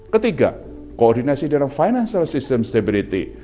ketiga koordinasi dalam financial system stability